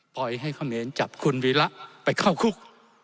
ปล่อยให้เขมรจับคุณวีระไปเข้าคุก